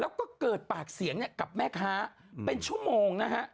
แล้วก็เกิดปากเสียงกับแม่ค้าเป็นชั่วโมงนะฮะ